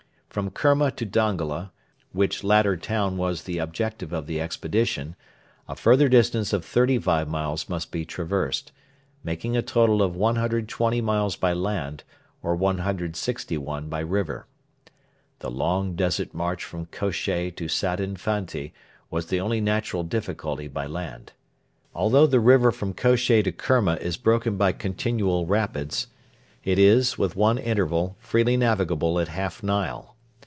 From Kerma to Dongola, which latter town was the objective of the expedition, a further distance of thirty five miles must be traversed, making a total of 120 miles by land or 161 by river. The long desert march from Kosheh to Sadin Fanti was the only natural difficulty by land. Although the river from Kosheh to Kerma is broken by continual rapids, it is, with one interval, freely navigable at half Nile.